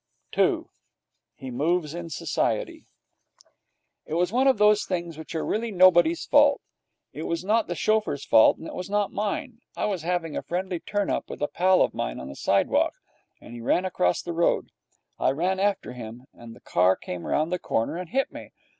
II. He Moves in Society It was one of those things which are really nobody's fault. It was not the chauffeur's fault, and it was not mine. I was having a friendly turn up with a pal of mine on the side walk; he ran across the road; I ran after him; and the car came round the corner and hit me.